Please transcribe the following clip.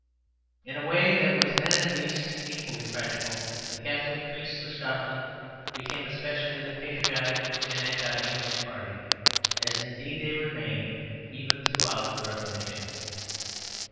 In a way that was then at least equally practical, the Catholic priests of Scotland became especially the patriotic and Anti English party; as indeed they remained even throughout the Reformation.